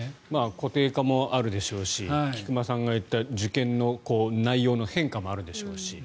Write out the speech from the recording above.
固定化もあるでしょうし菊間さんが言った受験の内容の変化もあるでしょうし。